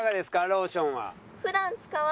ローションは。